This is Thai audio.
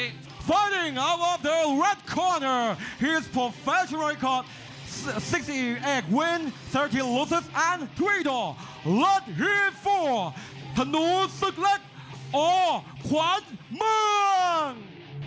มาทางทวีดีโอรัดฮีล๔ธนูศึกเล็กออกขวัญเมือง